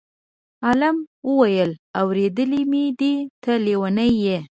عالم وویل: اورېدلی مې دی ته لېونی یې.